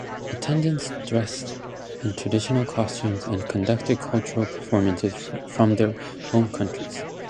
Attendees dressed in traditional costumes and conducted cultural performances from their home countries.